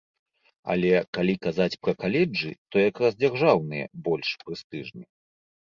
Але калі казаць пра каледжы, то якраз дзяржаўныя больш прэстыжныя.